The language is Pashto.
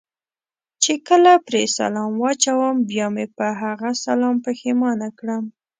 چې کله پرې سلام واچوم بیا مې په هغه سلام پښېمانه کړم.